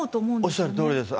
おっしゃるとおりです。